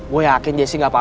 gua yakin jessi gapapa kok